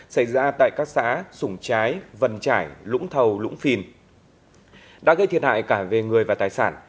xảy ra tại các xã sủng trái vần trải lũng thầu lũng phìn đã gây thiệt hại cả về người và tài sản